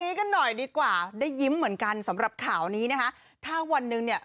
กันหน่อยดีกว่าได้ยิ้มเหมือนกันสำหรับข่าวนี้นะคะถ้าวันหนึ่งเนี่ย